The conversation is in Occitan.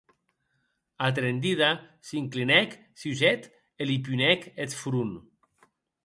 Atrendida, s'inclinèc sus eth e li punèc eth front.